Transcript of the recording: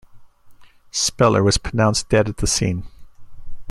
Speller was pronounced dead at the scene.